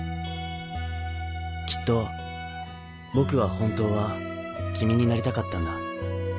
きっと僕は本当は君になりたかったんだ